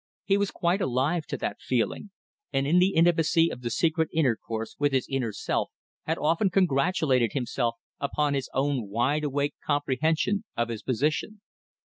He was quite alive to that feeling, and in the intimacy of the secret intercourse with his inner self had often congratulated himself upon his own wide awake comprehension of his position.